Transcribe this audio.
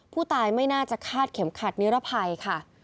ผู้ตายไม่น่าจะฆาตเข็มขัดเนื้อระภัยค่ะ